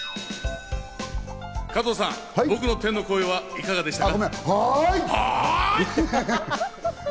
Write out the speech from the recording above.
加藤さん、僕の天の声はいかがでした？